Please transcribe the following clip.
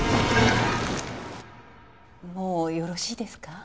もうよろしいですか？